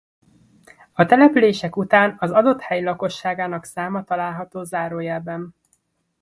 A települések után az adott hely lakosságának száma található zárójelben.